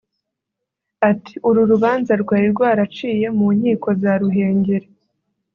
Ati “uru rubanza rwari rwaraciye mu nkiko za Ruhengeri